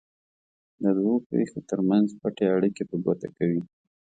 د دوو پېښو ترمنځ پټې اړیکې په ګوته کوي.